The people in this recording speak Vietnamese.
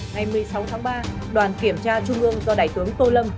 ngày một mươi sáu tháng ba đoàn kiểm tra trung ương do đại tướng tô lâm